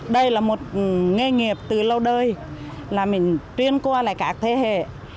đây là một nghề nghiệp từ lâu đời là mình tuyên qua lại các thế hệ